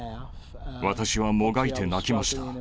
私はもがいて泣きました。